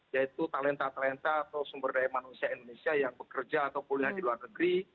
yaitu talenta talenta atau sumber daya manusia indonesia yang bekerja atau kuliah di luar negeri